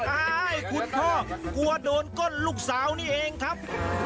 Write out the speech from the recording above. อายคุณพ่อกลัวโดนก้นลูกสาวนี่เองครับ